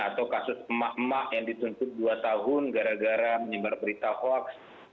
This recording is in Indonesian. atau kasus emak emak yang dituntut dua tahun gara gara menyebar berita hoax